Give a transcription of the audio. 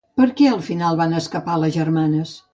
Per què al final van escapar les germanes?